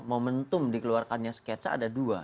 momentum dikeluarkannya sketsa ada dua